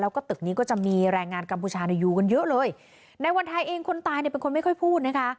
แล้วก็ตึกนี้ก็จะมีแรงงานกัมพูชาอยู่กันเยอะเลยในวันไทยเองคนตายเนี่ยเป็นคนไม่ค่อยพูดนะคะ